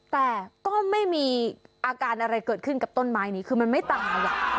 แต่ก็ไม่มีอาการอะไรเกิดขึ้นกับต้นไม้นี้คือมันไม่ตาย